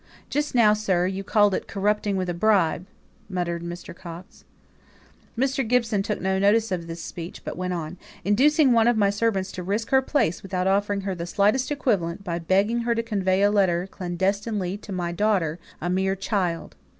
"Just now, sir, you called it corrupting with a bribe," muttered Mr. Coxe. Mr. Gibson took no notice of this speech, but went on "Inducing one of my servants to risk her place, without offering her the slightest equivalent, by begging her to convey a letter clandestinely to my daughter a mere child."